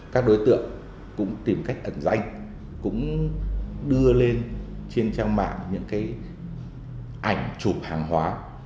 các đối tượng cũng tìm cách ẩn danh cũng đưa lên trên trang mạng những cái ảnh chụp hàng hóa